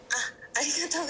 ありがとね。